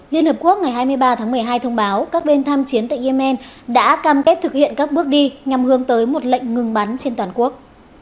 liên hợp quốc ngày hai mươi ba tháng một mươi hai thông báo các bên tham chiến tại yemen đã cam kết thực hiện các bước đi nhằm hướng tới một lệnh ngừng bắn trên toàn quốc